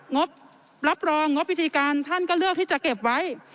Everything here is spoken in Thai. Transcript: งบรับรองงบวิธีการท่านก็เลือกที่จะเก็บไว้